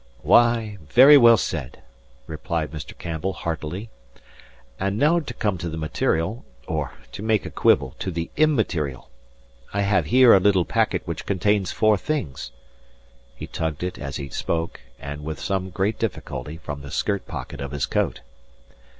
"Why, very well said," replied Mr. Campbell, heartily. "And now to come to the material, or (to make a quibble) to the immaterial. I have here a little packet which contains four things." He tugged it, as he spoke, and with some great difficulty, from the skirt pocket of his coat.